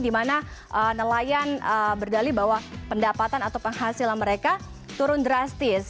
di mana nelayan berdali bahwa pendapatan atau penghasilan mereka turun drastis